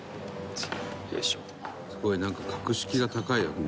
「すごいなんか格式が高い」